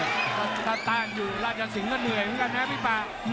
ถ้าตั้งอยู่ราชสิงห์ก็เหนื่อยเหมือนกันนะพี่ป่า